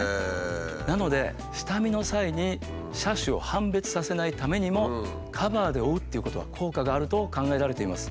なので下見の際に車種を判別させないためにもカバーで覆うっていうことは効果があると考えられています。